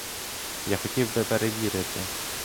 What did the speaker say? Я хотів би перевірити.